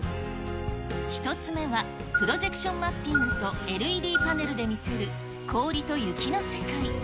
１つ目は、プロジェクションマッピングとＬＥＤパネルで見せる氷と雪の世界。